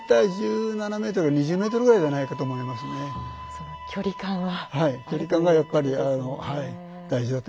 その距離感は。